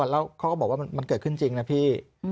แล้วเขาก็บอกว่ามันเกิดขึ้นจริงนะพี่